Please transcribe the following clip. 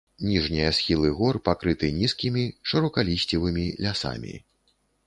Ніжнія схілы гор пакрыты нізкімі шырокалісцевымі лясамі.